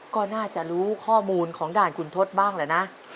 ก็น่าจะรู้ข้อมูลของด่านคุณทศบ้างแหละนะ